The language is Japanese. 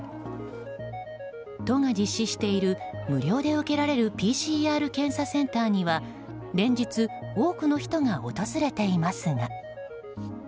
都が実施している無料で受けられるＰＣＲ検査センターには連日、多くの人が訪れていますが。